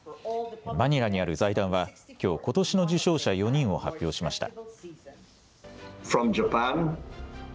マニラにある財団はきょう、ことしの受賞者４人を発表しました。